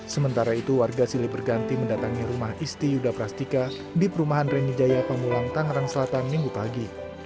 sementara itu warga silih berganti mendatangi rumah isti yudha prastika di perumahan renijaya pamulang tangerang selatan minggu pagi